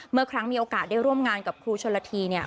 เมื่อครั้งมีโอกาสได้ร่วมงานกับครูชนละที